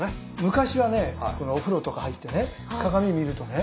昔はねお風呂とか入ってね鏡見るとね